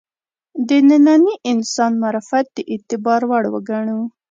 د ننني انسان معرفت د اعتبار وړ وګڼو.